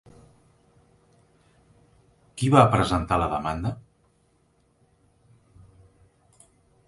Qui va presentar la demanda?